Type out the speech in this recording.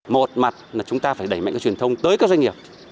một mặt là chúng ta phải đẩy mạnh cái truyền thông tới các doanh nghiệp